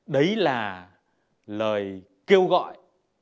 đấy là lời kêu gọi